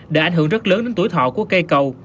đã ảnh hưởng rất lớn đến tuổi thọ của cây cầu